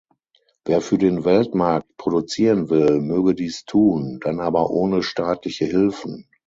Wer für den Weltmarkt produzieren will, möge dies tun, dann aber ohne staatliche Hilfen.